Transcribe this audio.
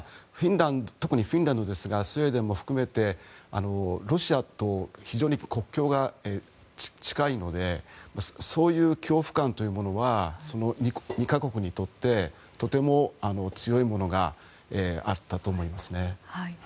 特にフィンランドですがスウェーデンも含めてロシアと非常に国境が近いのでそういう恐怖感というものは２か国にとってとても強いものがあったと思いますね。